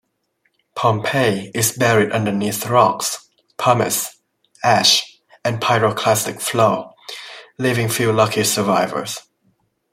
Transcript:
Pompeii is buried underneath rocks, pumice, ash, and pyroclastic flow, leaving few lucky survivors.